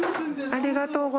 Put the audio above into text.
ありがとうございます。